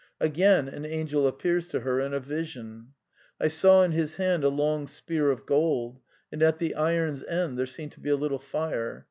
Again, an angel appears to her in a vision. " I saw in his hand a long spear of gold, and at the iron's end there seemed to be a little fire.